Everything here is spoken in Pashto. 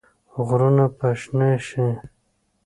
غرونه به شنه شي؟